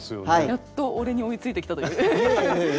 やっと俺に追いついてきたという気持ちですよね？